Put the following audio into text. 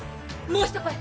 もう一声！